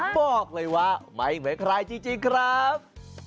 บอกเลยว่าไม่เหมือนใครจริงครับ